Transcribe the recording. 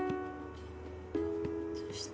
そして。